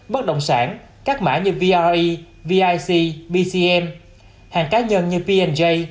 bất động sản các mã như vre vic bcm hàng cá nhân như p j